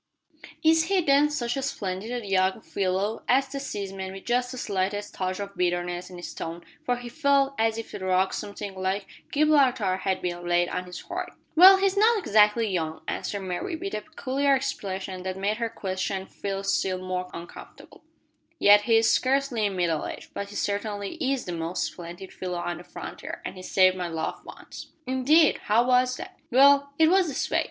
"Is he, then, such a splendid young fellow!" asked the seaman, with just the slightest touch of bitterness in his tone, for he felt as if a rock something like Gibraltar had been laid on his heart. "Well, he's not exactly young," answered Mary, with a peculiar expression that made her questioner feel still more uncomfortable, "yet he is scarcely middle aged, but he certainly is the most splendid fellow on the frontier; and he saved my life once." "Indeed! how was that?" "Well, it was this way.